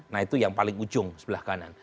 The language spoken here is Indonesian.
nah itu yang paling ujung sebelah kanan